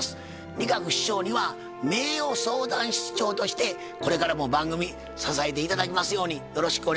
仁鶴師匠には名誉相談室長としてこれからも番組支えて頂きますようによろしくお願い申し上げます。